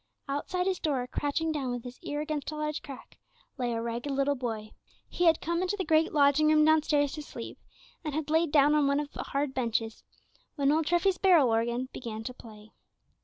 Outside his door, crouching down with his ear against a large crack, lay a little ragged boy; he had come into the great lodging room downstairs to sleep, and had laid down on one of the hard benches, when old Treffy's barrel organ began to play.